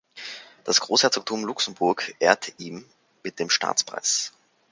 Das Großherzogtum Luxemburg ehrte ihn mit dem Staatspreis.